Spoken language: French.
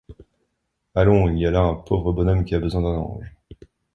Allons, il y a là un pauvre bonhomme qui a besoin d’un ange.